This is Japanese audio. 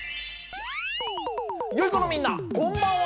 よいこのみんなこんばんは！